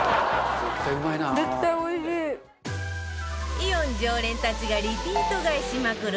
イオン常連たちがリピート買いしまくる